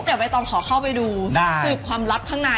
เดี๋ยวใบตองขอเข้าไปดูสืบความลับข้างใน